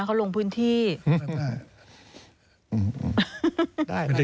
เขาลงพื้นที่